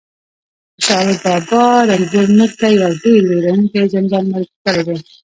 خوشحال بابا رنتنبور موږ ته یو ډېر وېروونکی زندان معرفي کړی دی